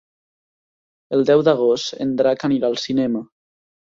El deu d'agost en Drac anirà al cinema.